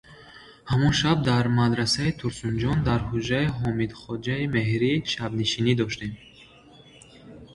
Ҳамон шаб мо дар мадрасаи Турсунҷон, дар ҳуҷраи Ҳомидхоҷаи Меҳрӣ шабнишинӣ доштем.